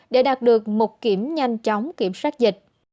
để đạt được mục kiểm nhanh chóng kiểm soát dịch